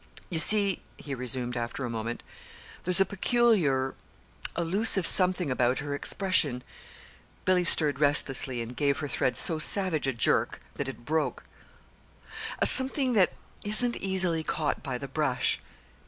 "You see," he resumed, after a moment, "there's a peculiar, elusive something about her expression " (Billy stirred restlessly and gave her thread so savage a jerk that it broke)" a something that isn't easily caught by the brush.